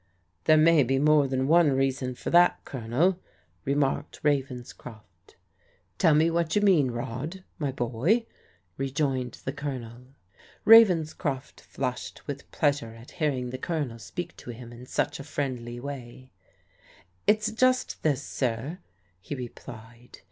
^ "There may be more than one reason for that, Colonel," remarked Ravenscroft. " Tell me what you mean, Rod, my boy," rejoined the Colonel. Ravenscroft flushed with pleasure at hearing the Colonel speak to him in such a friendly way, " It's just this, sir," he replied.